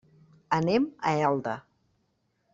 Anem a Elda.